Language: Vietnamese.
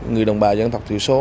người đồng bà dân tộc thiểu số